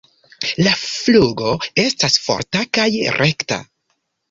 La flugo estas forta kaj rekta.